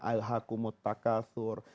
al hakumut takathur